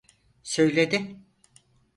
Söyledi.